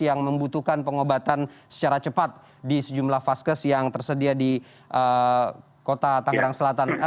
yang membutuhkan pengobatan secara cepat di sejumlah vaskes yang tersedia di kota tangerang selatan